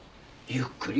ゆっくり。